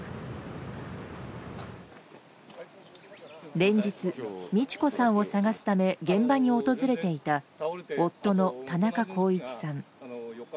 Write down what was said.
連日、路子さんを捜すため現場に訪れていた夫の田中公一さん。